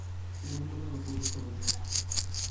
তিনি মূল্যবান অর্থ উপস্থাপন করেন।